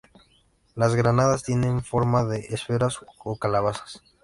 Las granadas tienen forma de esferas o calabazas.